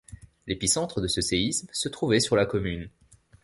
L'épicentre de ce séisme se trouvait sur la commune.